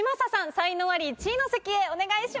才能アリ１位の席へお願いします。